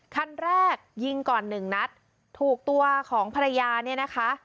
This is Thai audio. คันแรกยิงก่อนหนึ่งนัดถูกตัวของภรรยาเนี่ยนะคะ